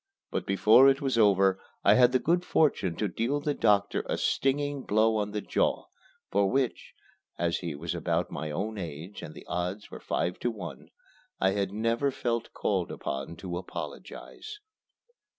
But before it was over I had the good fortune to deal the doctor a stinging blow on the jaw, for which (as he was about my own age and the odds were five to one) I have never felt called upon to apologize.